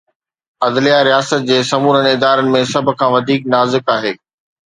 عدليه رياست جي سمورن ادارن ۾ سڀ کان وڌيڪ نازڪ آهي.